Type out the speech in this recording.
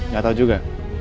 gak tau juga